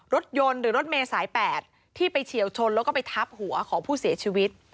รถยนต์หรือรถเมย์สาย๘ที่ไปเฉียวชนแล้วก็ไปทับหัวของผู้เสียชีวิต